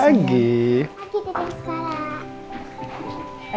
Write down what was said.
selamat pagi pak mbak mbak